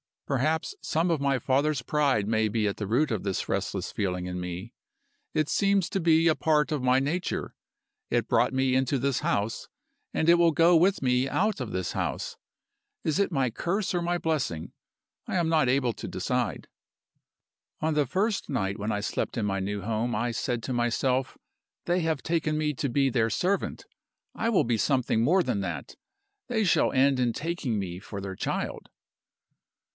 Perhaps some of my father's pride may be at the root of this restless feeling in me. It seems to be a part of my nature. It brought me into this house and it will go with me out of this house. Is it my curse or my blessing? I am not able to decide. "On the first night when I slept in my new home I said to myself, 'They have taken me to be their servant: I will be something more than that they shall end in taking me for their child.